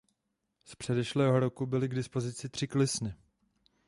Z předešlého roku byly k dispozici tři klisny.